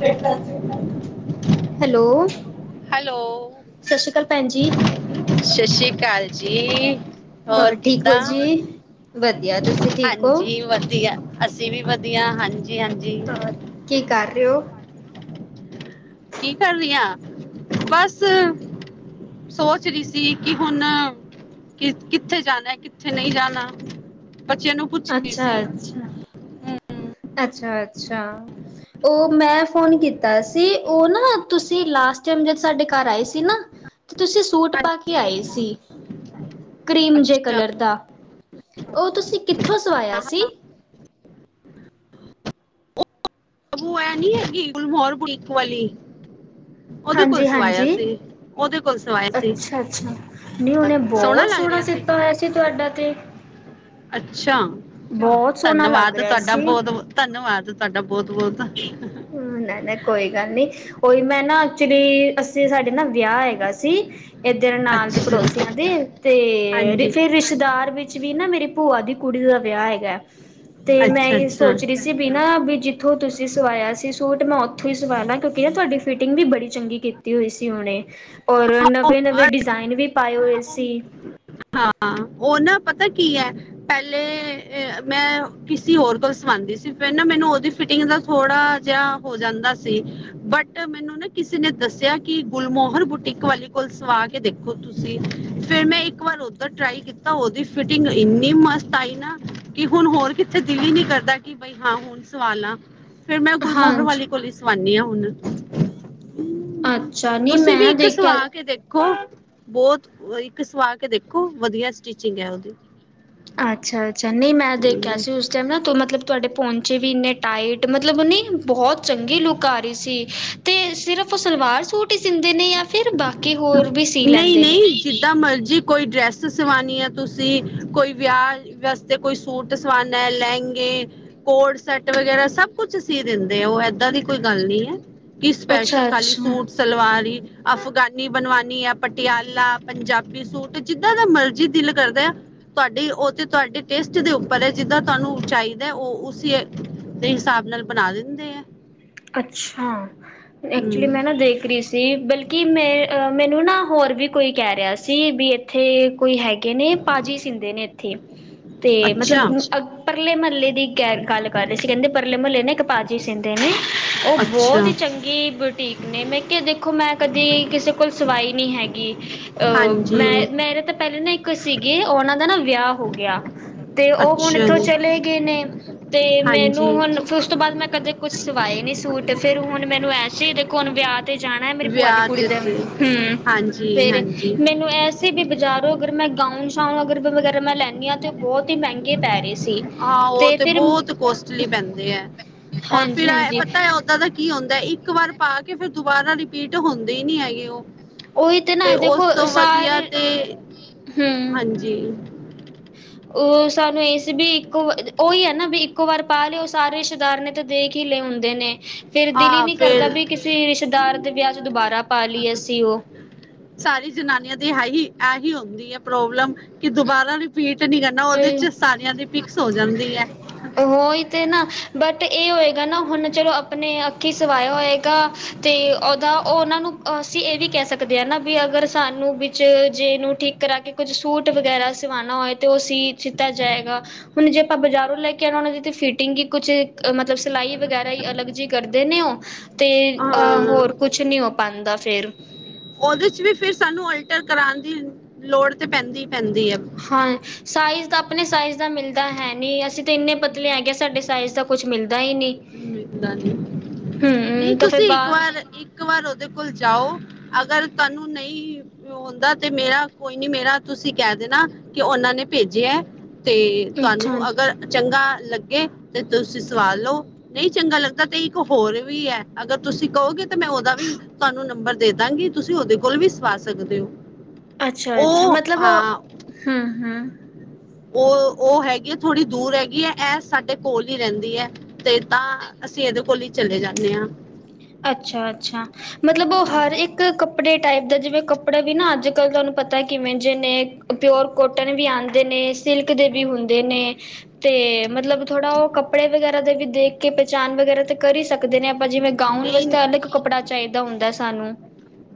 Hello, hello ਸਤਿ ਸ਼੍ਰੀ ਅਕਾਲ ਭੈਣ ਜੀ, ਸਤਿ ਸ੍ਰੀ ਅਕਾਲ ਜੀ [unintelligible] ਹੋਰ ਠੀਕ ਹੋ ਕਿੱਦਾਂ ਜੀ? ਵਧੀਆ, ਤੁਸੀਂ ਠੀਕ ਹੋ? ਹਾਂਜੀ ਵਧੀਆ ਅਸੀਂ ਵੀ ਵਧੀਆ ਹਾਂਜੀ ਹਾਂਜੀ ਹੋਰ ਕੀ ਕਰ ਰਹੇ ਹੋ ਕੀ ਕਰ ਰਹੀ ਆ ਬਸ ਸੋਚ ਰਹੀ ਸੀ ਕਿ ਹੁਣ ਕਿੱਥੇ ਜਾਣਾ ਕਿੱਥੇ ਨਹੀਂ ਜਾਣਾ ਬੱਚਿਆਂ ਨੂੰ ਪੁੱਛੀ ਸੀ ਹਮ ਅੱਛਾ ਅੱਛਾ ਉਹ ਮੈਂ ਫੋਨ ਕੀਤਾ ਸੀ ਉਹ ਨਾ ਤੁਸੀਂ ਲਾਸਟ ਟਾਈਮ ਜਦ ਸਾਡੇ ਘਰ ਆਏ ਸੀ ਨਾ ਤੇ ਤੁਸੀਂ ਸੂਟ ਪਾ ਕੇ ਹਾਂਜੀ ਆਏ ਸੀ ਕਰੀਮ ਜੇ ਅੱਛਾ ਕਲਰ ਦਾ ਉਹ ਤੁਸੀਂ ਕਿੱਥੋਂ ਸਵਾਇਆ ਸੀ? ਬੂ ਐ ਨੀ ਹੈਗੀ ਗੁਲਮੋਹਰ ਬੋਟਿਕ ਵਾਲੀ ਉਹਦੇ ਕੋਲ ਹਾਂਜੀ ਸਵਾਇਆ -ਹਾਂਜੀ, ਸੀ ਉਹਦੇ ਕੋਲ ਸਵਾਇਆ ਸੀ ਅੱਛਾ -ਅੱਛਾ ਨ ਉਹਨੇ ਬਹੁਤ ਲੱਗ ਸੋਹਣਾ ਰਿਹਾ ਸੀ ਸਿੱਤਾ ਹੋਇਆ ਸੀ ਤੁਹਾਡਾ ਤੇ ਅੱਛਾ! ਬਹੁਤ ਸੋਹਣਾ ਲੱਗ ਧੰਨਵਾਦ ਰਿਹਾ ਤੁਹਾਡਾ ਸੀ। ਬਹੁਤ ਬ ਧੰਨਵਾਦ ਤੁਹਾਡਾ ਬਹੁਤ ਹਮ ਨੇ ਨਾ ਕੋਈ ਗੱਲ ਨੀ ਉਹੀ ਮੈਂ ਨਾ- ਜੇ ਅਸੀਂ ਸਾਡੇ ਨਾ ਵਿਆਹ ਹੈਗਾ ਸੀ ਇੱਧਰ ਨਾਲ ਦੇ ਅੱਛਾ ਪੜੋਸੀਆਂ ਦੇ ਤੇ ਦੇ ਹਾਂਜੀ ਫੇਰ ਰਿਸ਼ਤਦਾਰ ਵਿੱਚ ਵੀ ਨਾ ਮੇਰੇ ਭੂਆ ਦੀ ਕੁੜੀ ਦਾ ਵਿਆਹ ਹੈਗਾ। ਤੇ ਮੈਂ ਅੱਛਾ ਇਹ ਅੱਛਾ ਸੋਚ ਰਹੀ ਸੀ ਬਿਨਾ ਵੀ ਜਿ ਥੋਂ ਤੁਸੀਂ ਸਵਾਇਆ ਸੀ ਸੂਟ ਮੈਂ ਉੱਥੋਂ ਹੀ ਸਵਾ ਨਾਂ ਕਿਉਂਕਿ ਨਾ ਤੁਹਾਡੀ ਫਿਟਿੰਗ ਵੀ ਬੜੀ ਚੰਗੀ ਕੀਤੀ ਹੋਈ ਸੀ ਉਹਨੇ ਔਰ ਨਵੇਂ ਨਵੇਂ ਡਿਜ਼ਾਇਨ ਵੀ ਪਾਏ ਹੋਏ ਸੀ। ਹਾਂ ਉਹ ਨਾ- ਪਤਾ ਕੀ ਹੈ ਪਹਿਲੇ ਮੈਂ ਕਿਸੀ ਹੋਰ ਕੋਲ ਸਵਾਉਂਦੀ ਸੀ ਫਿਰ ਨਾ ਮੈਨੂੰ ਉਹਦੀ ਫਿਟਿੰਗ ਦਾ ਥੋੜਾ ਜਿਹਾ ਹੋ ਜਾਂਦਾ ਸੀ ਬਟ ਮੈਨੂੰ ਨਾ ਕਿਸੇ ਨੇ ਦੱਸਿਆ ਕਿ ਗੁਲਮੋਹਰ ਬੁਟੀਕ ਵਾਲੀ ਕੋਲ ਸਵਾ ਕੇ ਦੇਖੋ ਤੁਸੀਂ ਫਿਰ ਮੈਂ ਇੱਕ ਇੱਕ ਵਾਰ ਓਧਰ ਟਰਾਈ ਕੀਤਾ ਉਹਦੀ ਫਿਟਿੰਗ ਇੰਨੀ ਮਸਤ ਆਈ ਨਾ ਕਿ ਹੁਣ ਹੋਰ ਕਿਥੇ ਦਿਲ ਹੀ ਨਹੀਂ ਕਰਦਾ ਕਿ ਬਈ ਹਾਂ ਹੁਣ ਸਵਾਲਾ। ਫਿਰ ਮੈਂ ਗੁਲਮੋਹਰ ਹਾਂਜੀ ਵਾਲੀ ਕੋਲ ਹੀ ਸਵਾਂਨੀ ਹਾਂ ਹੁਣ। ਅੱਛਾ [inaudible] ਨਹੀਂ ਤੁਸੀਂ ਵੀ ਮੈਂ ਇੱਕ ਦੇਖਿਆ ਸਵਾ ਕੇ ਦੇਖੋ ਬਹੁਤ ਇੱਕ ਸਵਾ ਦੇਖੋ ਵਧੀਆ ਸਟੀਚਿੰਗ ਹੈ ਉਹਦੀ। ਅੱਛਾ -ਅੱਛਾ ਨਹੀਂ ਮੈਂ ਦੇਖਿਆ ਸੀ ਉਸ ਟਾਈਮ ਨਾ ਤੂ ਮਤਲਬ ਤੁਹਾਡੇ ਪੋਨ ਚੇ ਵੀ ਇੰਨੇ ਟਾਈਟ ਮਤਲਬ ਨੀ ਬਹੋਤ ਚੰਗੀ ਲੁੱਕ ਆ ਰਹੀ ਸੀ ਤੇ ਸਿਰਫ ਉਹ ਸਲਵਾਰ ਸੂਟ ਹੀ ਸਂਦੇ ਨੇ ਯਾਂ ਨਹੀਂ- ਨਹੀਂ ਜਿੱਦਾਂ ਮਰਜੀ ਕੋਈ ਡਰੈਸ ਤੂੰ ਸਵਾਣੀ ਹੈ ਤੁਸੀਂ ਕੋਈ ਵਿਆਹ ਵਾਸਤੇ ਕੋਈ ਸੂਟ ਸਵਾਣਾ ਹੈ ਲਹਿੰਗੇ, ਕੋਟ ਸੈਟ ਵਗੈਰਾ ਸਭ ਕੁਛ ਸੀ ਦਿੰਦੇ ਉਹ ਇ ਇਦਾਂ ਦੀ ਕੋਈ ਗੱਲ ਨਹੀਂ ਹੈ। ਕਿ ਸਪੈਸ਼ਲ ਖਾਲੀ ਅੱਛਾ-ਅੱਛਾ ਸੂਟ ਸਲਵਾਰ ਹੀ ਅਫਗਾਨੀ ਬਨਵਾਨੀ ਆ ਪਟਿਆਲਾ, ਪੰਜਾਬੀ ਸੂਟ ਜਿਦਾਂ ਦਾ ਮਰਜੀ ਦਿਲ ਕਰਦਾ ਐ ਤੁਹਾਡੀ ਉਹ ਤੇ ਤੁਹਾਡੇ ਟੇਸਟ ਦੇ ਉਪਰ ਹੈ ਜਿਦਾਂ ਤੁਹਾਨੂੰ ਚਾਹੀਦਾ ਉਹ ਉਸ ਦੇ ਹਿਸਾਬ ਨਾਲ ਬਣਾ ਦਿੰਦੇ ਏ। ਅੱਛਾ! ਐਕਚੁਲੀ ਮੈਂ ਨਾ ਹਮ ਦੇਖ ਰਹੀ ਸੀ ਬਲ ਕਿ ਮੈਂ ਮੈਨੂੰ ਨਾ ਹੋਰ ਵੀ ਕੋਈ ਕਹਿ ਰਿਹਾ ਸੀ ਵੀ ਇੱਥੇ ਕੋਈ ਹੈਗ ਗੇ ਨੇ ਪਾਜੀ ਸੀਂਦੇ ਨੇ ਇੱਥੇ। ਤੇ ਮਤਲਬ ਅੱਛਾ ਪਰਲੇ ਮਹੱਲੇ ਦੀ ਗੈਰ ਗੱਲ ਕਰ ਰਹੇ ਸੀ ਕਹਿੰਦੇ ਪਰਲੇ ਮਹੱਲੇ ਨੇ ਇੱਕ ਪਾ ਜੀ ਸਿੰਧੇ ਨੇ ਉਹ ਬਹੋਤ ਅੱਛਾ ਹੀ ਚੰਗੀ ਬੁਟੀਕ ਨੇ ਮੈਂ ਕਿਹਾ ਦੇਖੋ ਮੈਂ ਕਦੀ ਕਿਸੇ ਕੋਲ ਸਵਾਈ ਨੀ ਹੈਗੀ। ਅ ਹਾਂਜੀ ਮੈਂ ਮੇਰੇ ਤਾਂ ਪਹਿਲੇ ਨਾ ਇੱਕ ਸੀਗੇ ਉਹਨਾਂ ਦਾ ਨਾ ਵਿਆਹ ਹੋ ਗਿਆ। ਤੇ ਉਹ ਹੁਣ ਅੱਛਾ ਇੱਥੋਂ ਜੀ ਚਲੇ ਗਏ ਨੇ ਤੇ ਮੈਨੂੰ ਹਾਂਜੀ ਹੁਣ ਫਿ ਉਸ ਤੋਂ ਬਾਅਦ ਮੈਂ ਕਦੇ ਕੁਛ ਪਾਏ ਨੀ ਸੂਟ ਫੇਰ ਹੁਣ ਮੈਨੂੰ ਐ ਸੀ ਦੇਖੋ ਹੁਣ ਵਿਆਹ ਤੇ ਜਾਣਾ ਮੇਰੀ ਭੂਆ ਦੀ ਵਿਆਹ ਕੁੜੀ ਤੇ ਦੇ ਤੇ ਹਮ, ਹਾਂਜੀ ਫੇਰ ਹਾਂਜੀ ਮੈਨੂੰ ਐਸੀ ਬੀ ਬਜ਼ਾਰੋ ਅਗਰ ਮੈਂ ਗਾਊਨ ਸ਼ਾਊਨ ਅਗਰ ਵਗੈਰਾ ਮੈਂ ਲੈਂਦੀ ਹਾਂ ਤਾਂ ਉਹ ਬਹੁਤ ਹੀ ਮਹਿੰਗੇ ਪੈ ਰਹੇ ਸੀ। ਹਾਂ ਉਹ ਤੇ ਬਹੁਤ ਕੋਸਟਲੀ ਪੈਂਦੇ ਹੈ ਔਰ ਫਿ ਹਾਂਜੀ ਹੈ ਹਾਂਜੀ ਪਤਾ ਹੈ ਉਹਦਾਂ ਦਾ ਕੀ ਹੁੰਦਾ ਏ। ਇੱਕ ਵਾਰ ਪਾ ਕੇ ਫਿਰ ਦੁਬਾਰਾ ਰਿਪੀਟ ਹੁੰਦੇ ਨੀ ਹੈਗੇ ਉਹ। ਉਹੀ ਤੇ ਨਾ ਉਸ ਦੇਖੋ ਤੇ ਵਧੀਆ ਸਾਰੇ ਤੇ, ਹੂੰ ਹਾਂਜੀ ਉਹ ਸਾਨੂੰ ਇਹ ਸੀ ਵੀ ਇੱਕੋ ਉਹੀ ਹੈ ਨਾ ਵੀ ਇੱਕੋ ਵਾਰ ਪਾ ਲਏ ਉਹ ਸਾਰੇ ਰਿਸ਼ਤੇਦਾਰ ਨੇ ਤੇ ਦੇਖ ਹੀਲੇ ਹੁੰਦੇ ਨੇ। ਫਿਰ ਦਿਲ ਹੀ ਹਾਂ ਨਹੀਂ ਕਰਦਾ ਫਿਰ ਵੀ ਕਿਸੇ ਰਿਸ਼ਤੇਦਾਰ ਦੇ ਵਿਆਹ ਚ ਦੁਬਾਰਾ ਪਾ ਲਈਏ ਅਸੀਂ ਉਹ। ਹੈ ਹੀ ਇਹੀ ਹੁੰਦੀ ਹੈ ਪ੍ਰੋਬਲਮ ਕਿ ਦੁਬਾਰਾ ਰਿਪੀਟ ਨਹੀਂ ਕਰਨਾ ਉਹਦੇ ਹਾਏ ਚ ਸਾਰਿਆਂ ਦੀ ਫਿਕਸ ਹੋ ਜਾਂਦੀ ਹੈ ਉਹੀ ਤੇ ਨਾ ਬਟ ਇਹ ਹੋਏ? ਹਨਾ ਹੁਣ ਚਲੋ ਆਪਣੇ ਅੱਖੀਂ ਸਵਾਇਆ ਹੋਏਗਾ ਤੇ ਉਹਦਾ ਉਹ ਉਹਨਾਂ ਨੂੰ ਅਸੀਂ ਇਹ ਵੀ ਕਹਿ ਸਕਦੇ ਹਾਂ ਨਾ ਵੀ ਅਗਰ ਸਾਨੂੰ ਵਿੱਚ ਜੇ ਨੂੰ ਠੀਕ ਕਰਾ ਕੇ ਕੁੱਝ ਸੂਟ ਵਗੈਰਾ ਸਵਾਉਣਾ ਹੋਏ ਤੇ ਉਹ। ਤੇ ਜਿਦਾ ਜਾਏਗਾ ਹੁਣ ਜੇ ਆਪਾਂ ਬਾਜ਼ਾਰੋਂ ਲੈ ਕੇ ਆਉਣਾ ਉਹਨਾਂ ਦੀ ਤੇ ਫਿਟਿੰਗ ਹੀ ਕੁਛ ਮਤਲਬ ਸਿਲਾਈ ਵਗੈਰਾ ਹੀ ਅਲੱਗ ਜਿਹੀ ਕਰਦੇ ਨੇ ਉਹ? ਤੇ ਹਾਂ ਅ ਹੋਰ ਕੁਛ ਨੀ। ਬਣਦਾ ਫੇਰ। ਉਹਦੇ ਚ ਵੀ ਫਿਰ ਸਾਨੂੰ ਅਲਟਰ ਕਰਾਉਣ ਦੀ ਲੋੜ ਤੇ ਪੈਂਦੀ? ਪੈਂਦੀ ਹੈ ਹਾਂ ਏ ਸਾਈਜ਼ ਦਾ। ਆਪਣੇ ਸਾਈਜ਼ ਦਾ ਮਿਲਦਾ ਹੈ ਨਹੀ ਅਸੀਂ ਤਾਂ ਇੰਨੇ ਪਤਲੇ ਆ ਕਿ ਸਾਡੇ ਸਾਈਜ਼ ਦਾ ਕੁਛ ਮਿਲਦਾ ਹੀ ਨਹੀਂ? ਨਹੀਂ ਹਮ ਤਾਂ ਫਿਰ ਤੁਸੀਂ ਇੱਕ ਬਾਹਰ ਵਾਰ ਇੱਕ ਵਾਰ ਉਹਦੇ ਕੋਲ ਜਾਓ? ਅਗਰ ਤੁਹਾਨੂੰ ਨਹੀਂ ਆਉਂਦਾ ਤੇ ਮੇਰਾ ਕੋਈ ਨੀ ਮੇਰਾ ਤੁਸੀਂ ਕਹਿ ਦੇਣਾ ਕਿ ਉਹਨਾਂ ਨੇ ਭੇਜਿਆ ਹੈ? ਤੇ ਅੱਛਾ-ਅੱਛਾ, ਤੁਹਾਨੂੰ ਅਗਰ ਚੰਗਾ ਲੱਗੇ? ਲੱਗੇ ਤੇ ਤੁਸੀਂ ਸਵਾਲ ਲਓ? ਨਹੀਂ ਚੰਗਾ ਲੱਗਦਾ ਤੇ ਇੱਕ ਹੋਰ ਵੀ ਹੈ ਅਗਰ ਤੁਸੀਂ ਕਹੋਗੇ ਤਾਂ ਮੈਂ ਉਹਦਾ ਵੀ ਤੁਹਾਨੂੰ ਨੰਬਰ ਦੇ ਦਾਂਗੀ ਤੁਸੀਂ ਉਹਦੇ ਕੋਲ ਵੀ ਸਵਾ ਸਕਦੇ ਹੋ? ਅੱਛਾ ਅੱਛਾ ਉਹ ਮਤਲਬ ਹਾਂ ਹੂੰ ਹੂੰ। ਉਹ ਉਹ ਹੈਗੀ ਹੈ ਥੋੜ੍ਹੀ ਦੂਰ ਹੈਗੀ ਹੈ ਇਹ ਸਾਡੇ ਕੋਲ ਹੀ ਰਹਿੰਦੀ ਹੈ ਤੇ ਤਾਂ ਅਸੀਂ ਇਹਦੇ ਕੋਲ ਹੀ ਚਲੇ ਜਾਣੇ ਹਾਂ। ਅੱਛਾ ਅੱਛਾ ਮਤਲਬ ਉਹ ਹਰ ਇੱਕ ਕੱਪੜੇ ਟਾਈਪ ਦਾ ਜਿਵੇਂ ਕੱਪੜਾ ਵੀ ਨਾ ਅੱਜ ਕੱਲ ਤੁਹਾਨੂੰ ਪਤਾ ਕਿਵੇਂ ਜੇ ਨੇ ਪਿਰ ਕੋਟਨ ਵੀ ਆਉਂਦੇ ਨੇ ਸਿਲਕ ਦੇ ਵੀ ਹੁੰਦੇ ਨੇ ਤੇ ਮਤਲਬ ਥੋੜਾ ਉਹ ਕੱਪੜੇ ਵਗੈਰਾ ਦੇ ਵੀ ਦੇਖ ਕੇ ਪਹਿਚਾਣ ਵਗੈਰਾ ਤੇ ਕਰ ਹੀ ਸਕਦੇ ਨੇ ਆਪਾਂ ਜਿਵੇਂ? ਗਾਊਨ ਨਹੀਂ ਵਾਸਤੇ ਅਲੱਗ ਕੱਪੜਾ? ਚਾਹੀਦਾ ਹੁੰਦਾ ਸਾਨੂੰ।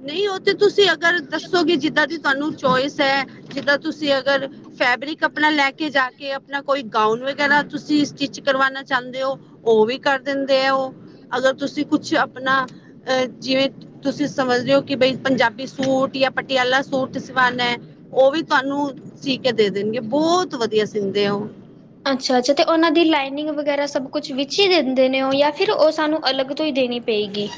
ਨਹੀਂ ਉਹ ਤੇ ਤੁਸੀਂ ਅਗਰ ਦੱਸੋਗੇ ਜਿੱਦਾਂ ਦੀ। ਤੁਹਾਨੂੰ ਚੋਇਸ ਹੈ ਜਿੱਦਾਂ ਤੁਸੀਂ ਅਗਰ ਫੈਬਰਿਕ ਆਪਣਾ ਲੈ ਕੇ ਜਾ ਕੇ ਆਪਣਾ ਕੋਈ ਗਾਊਨ ਵਗੈਰਾ ਤੁਸੀਂ ਸਟਿੱਚ ਕਰਵਾਣਾ ਚਾਹੁੰਦੇ ਹੋ ਉਹ ਵੀ ਕਰ ਦਿੰਦੇ ਆ ਉਹ ਅਗਰ ਤੁਸੀਂ ਕੁਛ ਆਪਣਾ ਅ ਜਿਵੇਂ ਤੁਸੀਂ। ਸਮਝਦੇ ਹੋ ਕਿ ਬਈ ਪੰਜਾਬੀ ਸੂਟ ਜਾਂ ਪਟਿਆਲਾ ਸੂਟ ਸਵਾਉਣਾ ਹੈ ਉਹ ਵੀ ਤੁਹਾਨੂੰ ਸੀ ਕੇ ਦੇ ਦੇਣਗੇ ਬਹੁਤ ਵਧੀਆ ਸੀਦੇ ਆ ਉਹ। ਅੱਛਾ ਅੱਛਾ ਤੇ ਉਹਨਾਂ ਦੀ ਲਾਈਨਿੰਗ ਵਗੈਰਾ ਸਭ ਕੁਛ ਵਿਚ ਹੀ ਦਿੰਦੇ ਨੇ ਉਹ ਜਾਂ ਫਿਰ ਉਹ ਸਾਨੂੰ ਅਲੱਗ ਤੋਂ ਹੀ ਦੇਣੀ ਪਏਗੀ?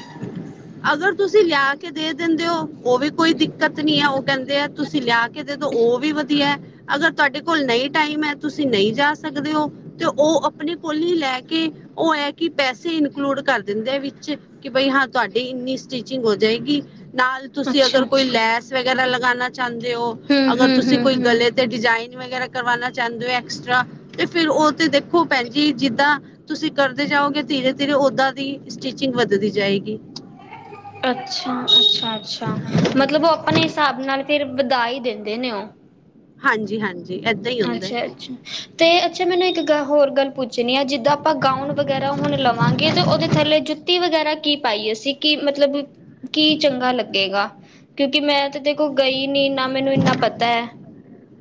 ਅਗਰ ਤੁਸੀਂ ਲਿਆ ਕੇ ਦੇ ਦਿੰਦੇ ਹੋ ਉਹ ਵੀ ਕੋਈ ਦਿੱਕਤ ਨੀ ਹੈ ਉਹ ਕਹਿੰਦੇ ਆ ਤੁਸੀਂ ਲਿਆ ਕੇ। ਕਹਿੰਦੇ ਤੇ ਉਹ ਵੀ ਵਧੀਆ। ਅਗਰ ਤੁਹਾਡੇ ਕੋਲ ਨਹੀਂ ਟਾਈਮ ਹੈ ਤੁਸੀਂ ਨਹੀਂ ਜਾ ਸਕਦੇ ਹੋ ਤੇ ਉਹ ਆਪਣੇ ਕੋਲ ਹੀ ਲੈ ਕੇ ਉਹ ਹੈ ਕਿ ਪੈਸੇ ਇਨਕਲੂਡ ਕਰ ਦਿੰਦੇ ਵਿੱਚ ਕਿ ਬਈ ਹਾਂ। ਤੁਹਾਡੀ ਇੰਨੀ ਸਟਿਚਿੰਗ ਹੋ ਜਾਏਗੀ। ਨਾਲ ਤੁਸੀਂ ਅਗਰ ਕੋਈ ਅੱਛਾ-ਅੱਛਾ, ਲੈਸ ਵਗੈਰਾ ਲਗਾਣਾ? ਚਾਹੁੰਦੇ ਹੋ ਅਗਰ ਹੂੰ-ਹੂੰ, ਤੁਸੀਂ ਕੋਈ ਹੂੰ-ਹੂੰ। ਗਲੇ ਤੇ ਡਿਜ਼ਾਇਨ? ਵਗੈਰਾ ਕਰਵਾਣਾ ਚਾਹੁੰਦੇ ਹੋ ਐਕਸਟਰਾ ਤੇ ਫਿਰ ਉਹ ਤੇ ਦੇਖੋ ਭੈਣਜੀ ਜਿਦਾਂ ਤੁਸੀਂ ਕਰਦੇ ਜਾਓਗੇ ਧੀਰੇ ਧੀਰੇ ਉਦਾਂ ਦੀ ਸਟਿਚਿੰਗ ਵੱਧਦੀ ਜਾਏਗੀ। ਅੱਛਾ ਅੱਛਾ ਅੱਛਾ ਮਤਲਬ ਉਹ ਆਪਣੇ? ਹਿਸਾਬ ਨਾਲ ਫੇਰ ਵਧਾਈ ਦਿੰਦੇ ਨੇ ਉਹ? ਹਾਂਜੀ ਹਾਂਜੀ। ਏਦਾਂ ਹੀ ਹੁੰਦਾ ਹੈ ਅੱਛਾ ਅੱਛਾ ਤੇ। ਅੱਛਾ ਮੈਨੂੰ ਇੱਕ ਗੱਲ ਹੋਰ ਗੱਲ ਪੁੱਛ। ਪੁੱਛਣੀ ਆ ਜਿੱਦਾਂ ਆਪਾਂ ਗਾਊਨ ਵਗੈਰਾ ਹੁਣ ਲਵਾਂਗੇ ਤੇ ਉਹਦੇ ਥੱਲੇ? ਜੁੱਤੀ ਵਗੈਰਾ ਕੀ ਪਾਈਐ ਅਸੀਂ ਕੀ ਮਤਲਬ ਕੀ ਚੰਗਾ ਲੱਗੇਗਾ ਕਿਉਂਕਿ ਮੈਂ ਤੇ ਦੇਖੋ ਗਈ ਨੀ ਨਾ ਮੈਨੂੰ ਇੰਨਾ ਪਤਾ ਹੈ?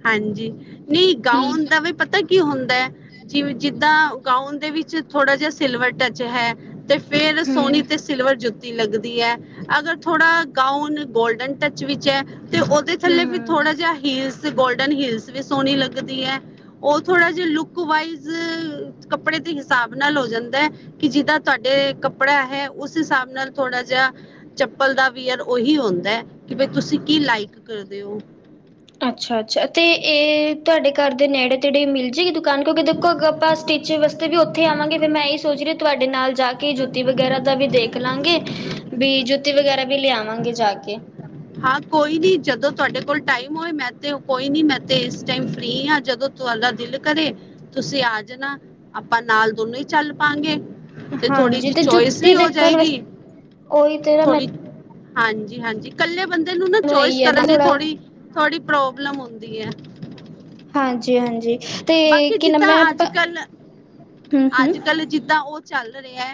ਹਾਂਜੀ ਨਹੀਂ ਹੂੰ, ਗਾਉਣ ਦਾ ਵੀ ਪਤਾ ਕੀ ਹੁੰਦਾ ਹੈ ਜਿਵੇਂ ਜਿੱਦਾਂ ਗਾਊਨ ਦੇ ਵਿੱਚ ਥੋੜਾ ਜਿਹਾ ਸਿਲਵਰ ਟੱਚ ਹੈ ਤੇ ਫੇਰ ਹੂੰ, ਸੋਨੀ ਤੇ ਸਿਲਵਰ ਜੁੱ ਲੱਗਦੀ ਹੈ ਅਗਰ ਥੋੜਾ ਗਾਊਨ ਗੋਲਡਨ ਟੱਚ ਵਿੱਚ ਹੈ ਤੇ ਉਹਦੇ ਥੱਲੇ ਵੀ ਹੂੰ। ਥੋੜਾ ਜਿਹਾ ਹੀਲਸ ਗੋਲਡਨ ਹਿਲਸ ਵੀ ਸੋਹਣੀ ਲੱਗਦੀ ਹੈ ਉਹ ਥੋੜਾ ਜ ਲੁਕ ਵਾਇਜ਼ ਕੱਪੜੇ ਦੇ ਹਿਸਾਬ ਨਾਲ ਹੋ ਜਾਂਦਾ ਕਿ ਜਿਾਂ ਤੁਹਾਡੇ ਕੱਪੜਾ ਹੈ ਉਸ ਹਿਸਾਬ ਨਾਲ ਥੋੜਾ ਜਹਾ ਚੱਪਲ ਦਾ ਵੀਅਰ ਓਹੀ ਹੁੰਦਾ ਹੈ ਕਿ ਬ ਤੁਸੀਂ ਕੀ ਲਾਈਕ ਕਰਦੇ ਹੋ ਅੱਛਾ-ਅੱਛਾ ਤੇ ਇਹ ਤੁਹਾਡੇ ਘਰ ਦੇ ਨੇੜੇ ਤੇੜੇ ਮਿਲ ਜਾਏਗੀ ਕਨਕ ਕਿਉਂਕਿ ਦੇਖੋ ਆਪਾਂ ਸਟੀਚਰ ਵਾਸਤੇ ਵੀ ਉੱਥੇ ਆਵਾਂਗੇ ਤੇ ਮੈਂ ਇਸ ਸੋਚ ਰਹੀ ਤੁਹਾਡੇ ਨਾਲ ਜਾ ਕੇ ਜੁੱਤੀ ਵਗੈਰਾ ਦਾ ਵੀ ਦੇਖ ਲਾਂਗੇ ਵੀ ਜੁੱਤੀ ਵਗੈਰਾ ਵੀ ਲਿਆਵਾਂਗੇ ਜਾ ਕੇ ਹਾਂ ਕੋਈ ਨੀ ਜਦੋਂ ਤੁਹਾਡੇ ਕੋਲ ਟਾਈਮ ਹੋਵੇ ਮੈਂ ਤੇ ਕੋਈ ਨੀ ਮੈਂ ਤੇ ਇਸ ਟਾਈਮ ਫ੍ਰਰੀ ਹਾਂ ਜਦੋਂ ਤੁਹਾਡਾ ਦਿਲ ਕਰੇ ਤੁਸੀਂ ਆ ਜਾਣਾ ਆਪਾਂ ਨਾਲ ਦੋਨੋ ਹੀ ਚੱਲ ਪਾਂਗੇ ਤੇ ਥੋੜੀ ਹਾਂਜੀ ਜੀ ਤੇ ਚੋਇਸ ਜੁੱਤੀ ਵੀ ਹੋ ਦੇਖਣ ਵਸ ਜਾਏਗੀ ਉਹੀ ਤੇਰਾ ਮੈਂ ਥੋੜੀ ਹਾਂਜੀ ਹਾਂਜੀ ਇਕੱਲੇ ਬੰਦੇ ਨੂੰ ਨਾ ਚੋਇਸ ਇਹੀ ਹੈ ਕਰਨੇ ਥੋੜਾ ਥੋੜ੍ਹੀ ਥੋੜ੍ਹੀ ਪ੍ਰੋਬਲਮ ਆਉਂਦੀ ਹੈ ਹਾਂਜੀ ਹਾਂਜੀ ਬਾਕੀ ਜਿੱਦਾਂ ਅੱਜ ਕੱਲ ਹੂੰ-ਹੂੰ, ਅੱਜ ਕੱਲ ਜਿੱਦਾਂ ਉਹ ਚੱਲ ਰਿਹਾ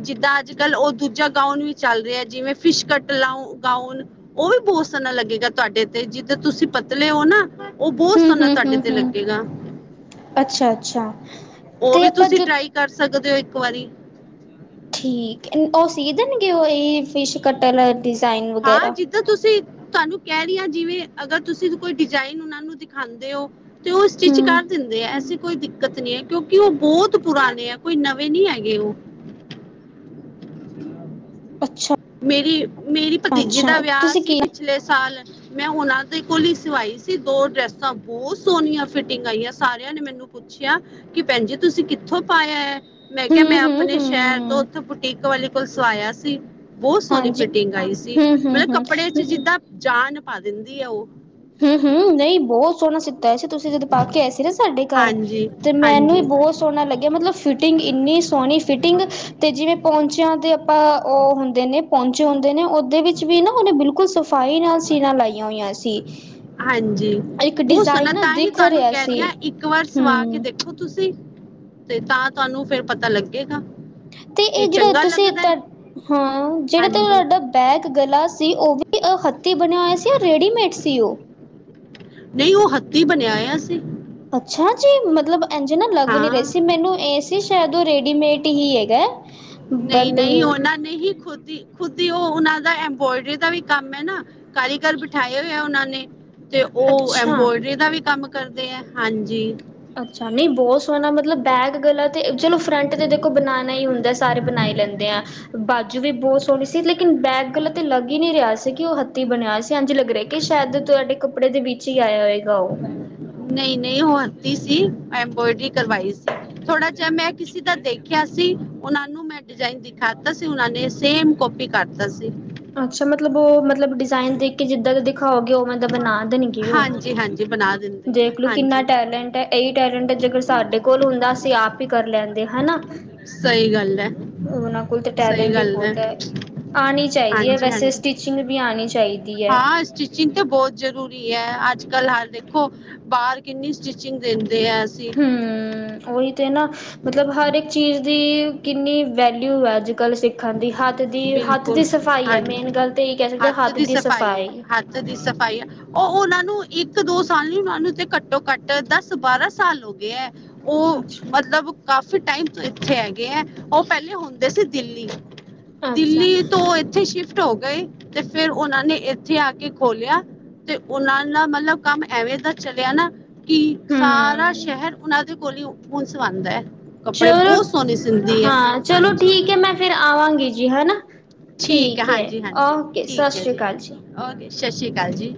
ਜਿੱਦਾਂ ਅੱਜ ਕੱਲ ਉਹ ਦੂਜਾ ਗਾਊਨ ਵੀ ਚੱਲ ਰਿਹਾ ਜਿਵੇਂ ਫਿਸ਼ਕਟ ਲਾ ਗਾਊਨ ਉਹ ਵੀ ਬਹੁਤ ਸੋਹਣਾ ਲੱਗੇਗਾ ਤੁਹਾਡੇ ਤੇ ਜਿੱਦ ਤੁਸੀਂ ਪਤਲੇ ਹੋ ਨਾ ਉਹ ਬਹੁਤ ਸੋਹਣਾ ਤੁਹਾਡੇ ਤੇ ਲੱਗ ਅੱਛਾ ਅੱਛਾ ਉਹ ਵੀ ਤੁਸੀਂ ਟਰਾਈ ਕਰ ਸਕ ਸਕਦੇ ਹੋ ਇੱਕ ਵਾਰੀ ਠੀਕ ਉਹ ਸੀ ਦੇਣਗੇ ਉਹ ਇਹ ਫਿਸ਼ ਕੱਟ ਆਲਾ ਹਾਂ ਜਿੱਦਾਂ ਤੁਸੀਂ ਤੁਹਾਨੂੰ ਕਹਿ ਰਹੀ ਹ ਜਿਵੇਂ ਅਗਰ ਤੁਸੀਂ ਕੋਈ ਡਿਜਾਇਨ ਉਹਨਾਂ ਨੂੰ ਦਿਖਾਉਂਦੇ ਹੋ ਤੇ ਉਹ ਸਟਿਚ ਹੂੰ ਕਰ ਦਿੰਦੇ ਏ ਔਸੀਂ ਕੋਈ ਦਿੱਕਤ ਨੀ ਹੈ ਕਿਉਂਕਿ ਉਹ ਬਹੁਤ ਪੁਰਾਣੇ ਹੈ ਕੋਈ ਨਵੇਂ ਨੀ ਹੈਗੇ ਉਹ ਅੱਛਾ ਮੇ--ਰੀ ਮੇਰੀ ਭਤੀਜੀ ਅੱਛਾ ਦਾ ਵਿਆਹ ਤੁਸੀਂ ਸੀ ਕੀ ਪਿਛਲੇ ਸਾਲ ਮੈਂ ਉਹਨਾਂ ਦੇ ਕੋਲ ਹੀ ਸਵਾਈ ਸੀ ਦੋ ਡਰੈਸਾਂ ਬਹੁਤ ਸੋਹਣੀਆਂ ਫਿਟਿੰਗ ਆਈਆਂ ਸ ਨੇ ਮੈਨੂੰ ਪੁੱਛਿਆ ਕਿ ਭੈਣ ਜ ਤੁਸੀਂ ਕਿੱਥੋਂ ਪਾਇਆ ਹੈ ਮੈਂ ਹੂੰ ਕਿਹਾ ਮੈਂ ਹੂੰ ਆਪਣੇ ਸ਼ਹਿਰ ਤੋਂ ਹੂੰ ਉੱਥੋਂ ਬੁਟੀਕ ਵਾਲੀ ਕੋਲ ਸਵਾਇਆ ਸੀ ਬਹੁਤ ਸੋਹਣੀ ਹਾਂਜੀ ਫਿਟਿੰਗ ਆਈ ਹੂੰ ਹੂੰ ਸੌ ਕੱਪੜੇ ਚ ਹੂੰ ਜਿੱਦਾਂ ਜਾਨ ਪਾ ਦਿੰਦੀ ਏ ਉਹ ਹੂੰ ਹੂੰ ਨਈ ਬੋਤ ਸੋਣਾ ਸੀ। ਤੈਸੂ ਤੁਸੀਂ ਜਦੋਂ ਪਾ ਕੇ ਆਏ ਸੀ ਨਾ ਸਾਡੇ ਘਰ ਹਾਂਜੀ ਤੇ ਮੈਨੂੰ ਈ ਹਾਂਜੀ ਬੋਤ ਸੋਣਾ ਲੱਗਿਆ ਮਤਲਬ ਫਿਟਿੰਗ ਇੰਨੀ- ਸੋਣੀ ਫਿਟਿੰਗ ਤੇ ਜਿਵੇਂ ਪੋਂਚ- ਜਾ ਤੇ ਆਪਾਂ ਓ ਹੁੰਦੇ ਨੇ ਪੋਂਚੇ ਹੁੰਦੇ ਨੇ, ਓਦੇ ਵਿੱਚ ਵੀ ਨਾ ਉਨੇ ਬਿਲਕੁਲ ਸਫ਼ਾਈ ਨਾਲ ਸੀਨਾ ਲਾਈਆਂ ਹੋਈਆਂ ਸੀ। ਹਾਂਜੀ ਇੱਕ ਬਹੁ ਸੋਣਾ ਡਿਜ਼ਾਇਨ ਨਾ ਤਾਂ ਹੀ ਦਿਖ ਤੁਹਾਨੂੰ ਰਿਹਾ ਕਹਿ ਰੀ ਸੀ ਆਭ ਇੱਕ ਵਾਰ ਸਵਾ ਕੇ ਹੂੰ ਦੇਖੋ। ਤੁਸੀਂ- ਤੇ ਤਾਂ ਤਾਨੂੰ ਫੇਰ ਪਤਾ ਲੱਗੇਗਾ। ਤੇ ਏ ਜੇ ਜੇੜਾ ਚੰਗਾ ਤੁਸੀਂ ਲੱਗਦਾ ਤੁ ਹੈ ਹਾਂ ਜੇੜਾ ਹਾਂਜੀ ਤੁਆਡਾ ਬੈਗ ਗਲਾ ਸੀ, ਓ ਵੀ- ਕੀ ਓ ਹੱਤੀ ਬਣਿਆ ਹੋਇਆ ਸੀ ਜਾਂ ਰੇਡੀਮੇਡ ਸੀ ਓ। ਨਈ ਓ ਹੱਥੀਂ ਬਣਆਇਆ ਸੀ। ਅੱਛਾ ਜੀ। ਮਤਲਬ ਏੰਝ ਨਾ ਲੱਗ ਨੀ ਰਏ ਹਾਂ ਸੀ ।ਮੈਨੂੰ ਏ ਸੀ- ਓਦੋਂ ਰੈਡੀਮੇਡ ਈ ਹੈਗਾ। ਨਈ- ਬਟ ਨਈ ਉਨਾਂ ਨੇ ਹੀ ਖੁਦ- ਖੁਦ ਈ ਓ ਉਨਾ ਦਾ ਐਬ੍ਰੋਡਰੀ ਦਾ ਵੀ ਕੰਮ ਏ ਨਾ। ਕਾਰੀਗਰ ਬਿਠਾਏ ਓਏ ਆ ਉਨਾਂ ਨੇ। ਤੇ ਓ ਅੱਛਾ ਐਬ੍ਰੋਡਰੀ ਦਾ ਵੀ ਕੰਮ- ਕਰਦੇ ਏ ਹਾਂਜੀ। ਅੱਛਾ ਨਈ ਬੋਤ ਸੋਣਾ ਮਤਲਬ ਬੈਗ ਗਲਾ- ਤੇ ਚਲੋ ਫਰੰਟ ਤੇ ਦੇਖੋ ਬਣਾਣਾ ਈ ਹੁੰਦਾ ਸਾਰੇ ਬਣਾਈ ਲੈਂਦੇ ਆ ।ਬਾਜੂ ਵੀ ਬੋਤ ਸੋਣੀ ਸੀ, ਲੇਕਿਨ ਬੈਕ ਗੱਲਾ ਤੇ ਲੱਗ ਈ ਨੀ ਰਿਆ ਸੀ ਕਿ ਉਹ ਹੱਥੀਂ ਬਣਿਆ ਸੀ। ਏਂਝ ਲੱਗ ਰਿਆ ਕਿ ਸ਼ੈਦ ਤੁਆਡੇ ਕੱਪੜੇ ਦੇ ਵਿੱਚ ਈ ਆਇਆ ਹੋਏਗਾ ਓ। ਨਈ -ਨਈ ਓ ਹੱਤੀ ਸੀ ਐਬ੍ਰੋਡਰੀ ਕਰਵਾਈ ਸੀ ।ਥੋੜਾ ਜਿਹਾ ਮੈਂ ਕਿਸੇ ਦਾ ਦੇਖਿਆ ਸੀ ਉਨਾਂ ਨੂੰ ਮੈਂ ਡਿਜਾਇਨ ਦਿਖਾਤਾ ਸੀ ਉਨਾਂ ਨੇ ਸੇਮ ਕੋਪੀ ਕਰਤਾ ਸੀ। ਅੱਛਾ ਮਤਲਬ ਉਹ ਮਤਲਬ ਡਿਜ਼ਾਇਨ ਦੇਖ ਕੇ ਜਿੱਦਾਂ ਦਾ ਦਿਖਾਓਗੇ ਉਵੇਂ ਬਣਾ ਦੇਣਗੇ ਓ। ਹਾਂਜੀ ਹਾਂਜੀ ਬਣਾ ਦਿੰਦੇ ਆ ਦੇਖਲੋ ਕਿੰਨਾ ਹਾਂਜੀ ਟੈਲੈਂਟ ਐ ਏਈ ਟੈਲੈਂਟ ਜੇਕਰ ਸਾਡੇ ਕੋਲ ਹੁੰਦਾ ਅਸੀਂ ਆਪ ਈ ਕਰ ਲੈਂਦੇ ਹਨਾ। ਸਹੀ ਗੱਲ ਹੈ ਉਨਾਂ ਕੋਲ ਤਾਂ ਸਹੀ ਟੈਲੈਂਟ ਈ ਗੱਲ ਹੈ ਬੋਤ ਐ। ਆਣੀ ਚਾਈਦ ਵਧੀਆ ਹਾਂਜੀ ਵੈਸੇ ਹਾਂਜੀ ਸਟਿਚਿੰਗ ਵੀ ਆਣੀ ਚਾਹੀ- ਹਾਂ ਸਟਿਚਿੰਗ ਤੇ ਬੋਤ ਜ਼ਰੂਰੀ ਹੈ ਅੱਜ- ਅੱਜ ਕੱਲ ਹ ਦੇਖੋ ਬਾਰ ਕਿੰਨੀ ਸਟਿਚਿੰਗ ਦੇਂ ਆ ਅਸੀ ਹਮ ਉਹੀ ਤੇ ਨਾ ਮਤਲਬ ਹਰ ਇੱਕ ਚੀਜ਼ ਦੀ ਕਿੰਨੀ ਵੈਲਿਊ ਐ ਅੱਜ ਕੱਲ੍ਹ ਸਿੱਖਣ ਦੀ ਹਥ ਬਿਲਕੁਲ ਹਾਂਜੀ ਤਾਂ ਇਹ ਕਹਿ ਸਕਦੇ ਹੱਥ ਦੀ ਸਫਾਈ ਏ, ਹੱਥ ਦੀ ਸਫ਼ਾਈ ਏ, ਓ ਉਨਾਂ ਨੂੰ ਇੱਕ ਦੋ ਸਾਲ ਨੀ ਉਨਾ ਨੂੰ ਤੇ ਘੱਟੋ ਘੱਟ ਦਸ ਬਾਰਾਂ ਸਾਲ ਹੋ ਗਏ ਐ। ਓ ਅੱਛਾ ਮਤਲਬ ਕਾਫ ਕਾਫੀ ਟਾਈਮ ਤੋਂ ਇੱਥੇ ਹੈਗੇ ਐ, ਓ ਪੈਲੇ ਹੁੰਦੇ ਸੀ ਦਿੱਲੀ। ਅੱਛਾ ਦਿੱਲੀ ਤੋਂ ਏਥੇ ਸ਼ਿਫ- ਸ਼ਿਫਟ ਹੋ ਗਏ ਤੇ ਫਿਰ ਉਨਾਂ ਨੇ ਇੱਥੇ ਆ ਕੇ ਖੋਲਿਆ ਤੇ ਉਨਾਂ ਦਾ ਮਲਬ ਕੰਮ ਐਵੇਂ ਦਾ ਚਲਿਆ ਨਾ। ਕੀ ਸਾਰਾ ਹਮ ਸ਼ਹਿਰ ਉਨਾਂ ਦੇ ਕੋਲੀ ਹੁ [unintelligible] ਕੌਣ ਸਵਉਂਦਾ ਹੈ ਕੱਪੜੇ ਚਲੋ ਬਹੁਤ ਸੋਹਣੀ ਸਿੰਦੀ ਹੈ ਹਾਂ ਚਲੋ ਹਾਂਜੀ ਠੀਕ ਹੈ ਮੈਂ ਫਿਰ ਆਵਾਂਗੀ ਜੀ ਹਨਾ ਠੀਕ ਹੈ ਹਾਂਜੀ ਹਾਂਜੀ ਓਕੇ ਸਤਿ ਠੀਕ ਹੈ ਸ੍ਰੀ ਅਕਾਲ ਜੀ ਓਕੇ ਸਤਿ ਸ਼੍ਰੀ ਅਕਾਲ ਜੀ